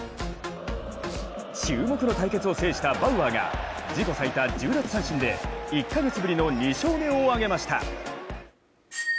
注目の対決を制したバウアーが自己最多１０奪三振で１か月ぶりの２勝目を挙げました。